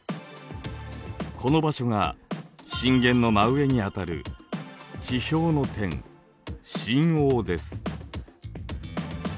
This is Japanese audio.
この場所が震源の真上にあたる地表の点「震央」です。